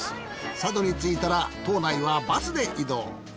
佐渡についたら島内はバスで移動。